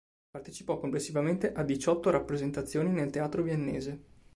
Partecipò complessivamente a diciotto rappresentazioni nel teatro viennese.